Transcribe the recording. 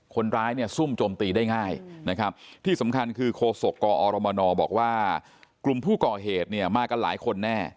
คนร้ายเนี่ยซุ่มโจมตีได้ง่ายนะครับที่สำคัญคือโคศกกอรมนบอกว่ากลุ่มผู้ก่อเหตุเนี่ยมากันหลายคนแน่